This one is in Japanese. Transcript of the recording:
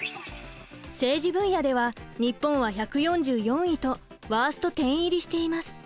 政治分野では日本は１４４位とワースト１０入りしています。